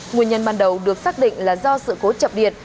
nguyên nhân ban đầu được xác định là do sự cố chậm điệt